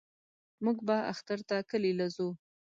موږ به اختر ته کلي له زو.